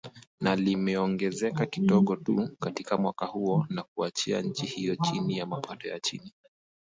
na limeongezeka kidogo tu katika mwaka huo na kuiacha nchi hiyo chini ya mapato ya chini